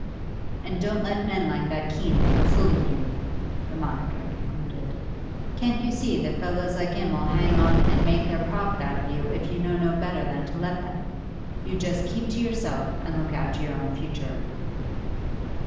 'And don't let men like that Keene make a fool of you,' the monitor concluded. 'Can't you see that fellows like him'll hang on and make their profit out of you if you know no better than to let them? You just keep to yourself, and look after your own future.